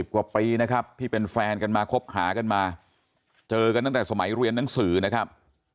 กว่าปีนะครับที่เป็นแฟนกันมาคบหากันมาเจอกันตั้งแต่สมัยเรียนหนังสือนะครับ